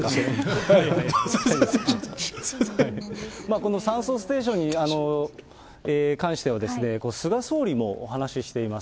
この酸素ステーションに関しては、菅総理もお話しています。